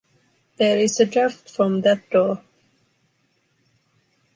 There is a draft from that door.